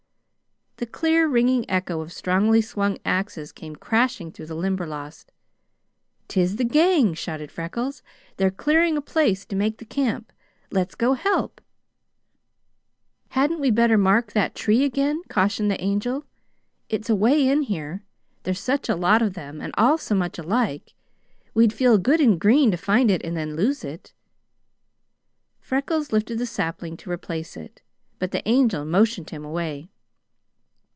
The clear, ringing echo of strongly swung axes came crashing through the Limberlost. "'Tis the gang!" shouted Freckles. "They're clearing a place to make the camp. Let's go help!" "Hadn't we better mark that tree again?" cautioned the Angel. "It's away in here. There's such a lot of them, and all so much alike. We'd feel good and green to find it and then lose it." Freckles lifted the sapling to replace it, but the Angel motioned him away.